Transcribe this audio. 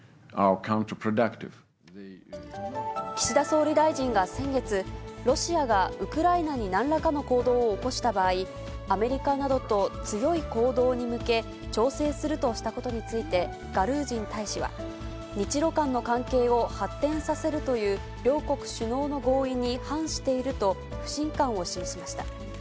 岸田総理大臣が先月、ロシアがウクライナになんらかの行動を起こした場合、アメリカなどと強い行動に向け、調整するとしたことについて、ガルージン大使は、日ロ間の関係を発展させるという両国首脳の合意に反していると、不信感を示しました。